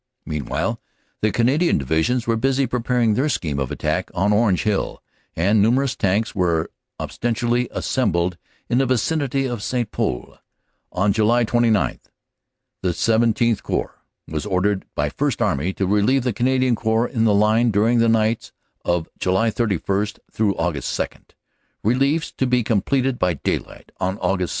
"Meanwhile the Canadian Divisions were busy preparing their scheme of attack on Orange Hill, and numerous Tanks were ostentatiously assembled in the vicinity of St. Pol. .. On July 29 the XVII Corps was ordered by First Army to relieve the Canadian Corps in the line during the nights of July 31 Aug. 2, reliefs to be completed by daylight on Aug. 2. .